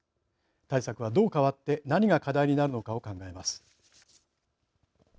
対策は、どう変わって何が課題になるのかを考えます。